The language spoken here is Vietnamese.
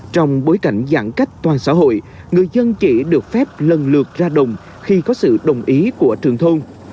trong bối cảnh giãn cách toàn xã hội người dân chỉ được phép lần lượt ra đồng khi có sự đồng ý của trường thôn